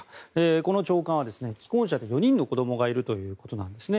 この長官は既婚者で４人の子どもがいるということなんですね。